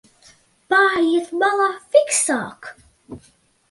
Paejiet malā, fiksāk!